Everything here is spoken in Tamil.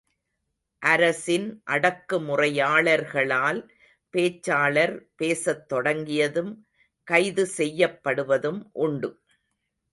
அரசின் அடக்குமுறையாளர்களால், பேச்சாளர், பேசத் தொடங்கியதும், கைது செய்யப்படுவதும் உண்டு.